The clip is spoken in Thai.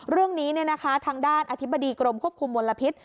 เรื่องนี้ทางด้านอธิบดีกรมควบคุมมลพิษ